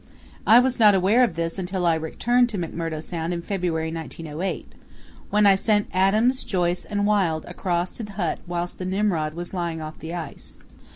I was not aware of this until I returned to McMurdo Sound in February 1908, when I sent Adams, Joyce, and Wild across to the hut whilst the Nimrod was lying off the ice.